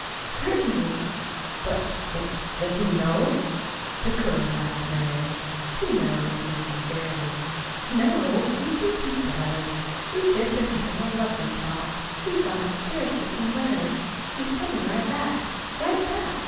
"Certainly." "But but does he know?" The girl laughed merrily too merrily for sincerity. "Know? Indeed he does. We've just been having a lovely talk. He's gone upstairs for some letters. He's coming right back right back."